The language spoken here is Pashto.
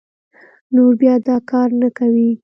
نور بيا دا کار نه کوي